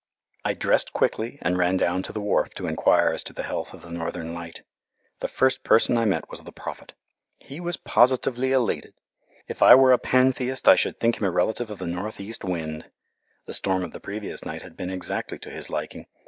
I dressed quickly and ran down to the wharf to enquire as to the health of the Northern Light. The first person I met was the Prophet. He was positively elate. If I were a pantheist I should think him a relative of the northeast wind. The storm of the previous night had been exactly to his liking.